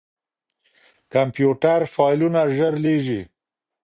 کمپيوټر فايلونه ژر لېږي.